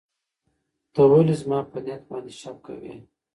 ته ولې زما په نیت باندې شک کوې؟